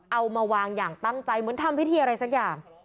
เอามาวางอย่างตั้งใจเหมือนทำพิธีอะไรสักอย่าง